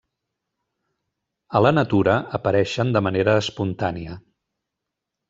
A la natura apareixen de manera espontània.